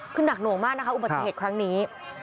คือหนักหน่วงมากนะคะอุบัติเหตุครั้งนี้